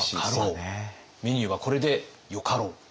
メニューはこれでよかろう！